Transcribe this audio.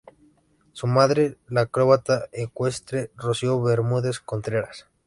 Su madre la acróbata ecuestre Rocío Bermúdez Contreras.